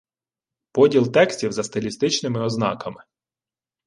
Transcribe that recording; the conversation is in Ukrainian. Поділ текстів за стилістичнимим ознаками